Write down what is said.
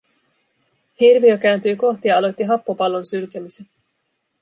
Hirviö kääntyi kohti ja aloitti happopallon sylkemisen.